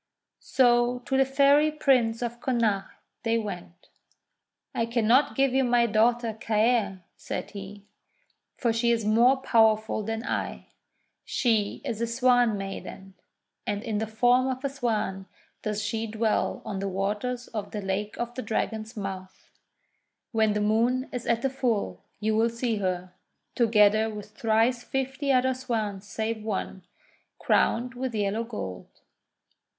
So to the Fairy Prince of Connacht they went. 'I cannot give you my daughter Caer," said he, :'for she is more powerful than I. She is a Swan Maiden, and in the form of a Swan does she dwell on the waters of the Lake of the Dragon's Mouth. When the Moon is at the full you will see her, together with thrice fifty other Swans save one, crowned with yellow gold."